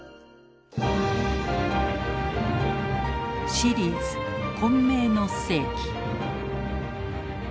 シリーズ「混迷の世紀」。